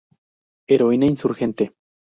Heroína insurgente.